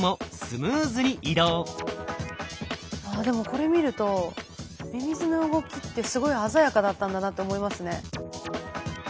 これ見るとミミズの動きってすごい鮮やかだったんだなって思いますね。